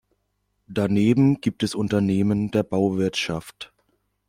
Daneben gibt es Unternehmen der Bauwirtschaft.